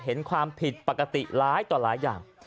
เห็นความผิดปกติร้ายต่อหลายอย่าง